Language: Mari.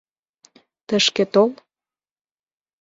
Тышке тол